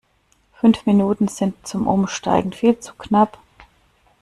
Fünf Minuten sind zum Umsteigen viel zu knapp.